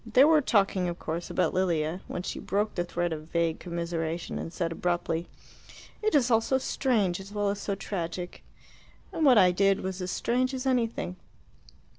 They were talking, of course, about Lilia, when she broke the thread of vague commiseration and said abruptly, "It is all so strange as well as so tragic. And what I did was as strange as anything."